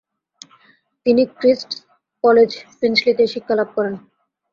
তিনি Christ's college, ফিঞ্চলিতে শিক্ষা লাভ করেন।